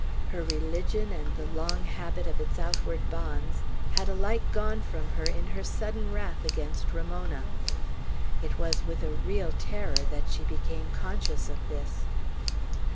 Her religion and the long habit of its outward bonds had alike gone from her in her sudden wrath against Ramona. It was with a real terror that she became conscious of this.